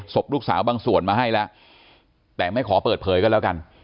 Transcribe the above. ศพลูกสาวบางส่วนมาให้แล้วแต่ไม่ขอเปิดเผยก็แล้วกัน